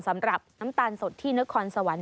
สำหรับน้ำตาลสดที่นครสวรรค์